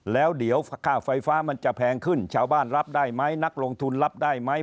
แล้วเดี๋ยวค่าไฟฟ้ามันจะแพงขึ้นชาวบ้านรับได้ไหมนักลงทุนรับได้ไหม